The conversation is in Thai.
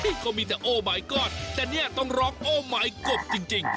เฮ้ยก็มีแต่โอ้มายก็อดแต่นี่ต้องร้องโอ้มายกบจริง